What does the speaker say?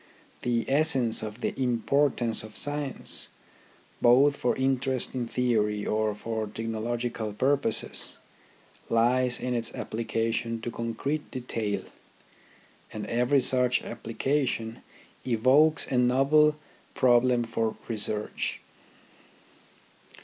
The essence of the importance of science, both for interest in theory or for technological purposes, lies in its application to concrete detail, and every such application evokes a novel problem for research.